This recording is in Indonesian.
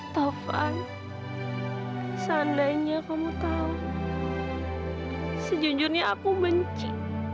taufan seandainya kamu tahu sejujurnya aku benci